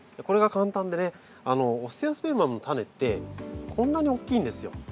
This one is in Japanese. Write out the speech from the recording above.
これが簡単でねステオスペルマムのタネってこんなに大きいんですよ。